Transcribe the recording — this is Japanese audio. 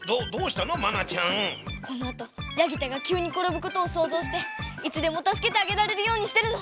このあとヤギ太がきゅうにころぶことを想像していつでもたすけてあげられるようにしてるの！